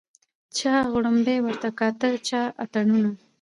چا غړومبی ورته کاوه چا اتڼونه